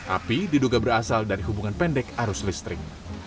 api diduga berasal dari hubungan pendek arus listrik